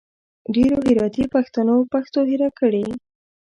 ډېرو هراتي پښتنو پښتو هېره کړي